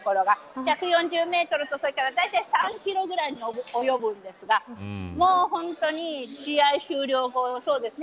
１４０メートルと、それから３キロぐらいに及ぶんですが本当に試合終了後そうでしたね。